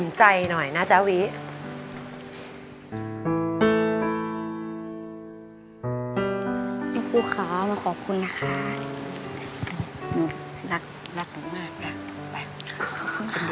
เพลงที่๖นะครับ